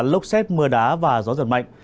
lốc xét mưa đá và gió giật mạnh